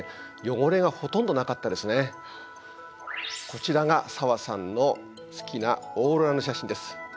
こちらが紗和さんの好きなオーロラの写真です。